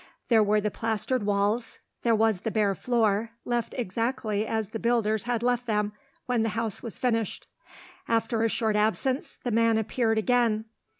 There were the plastered walls, there was the bare floor, left exactly as the builders had left them when the house was finished. After a short absence, the man appeared again.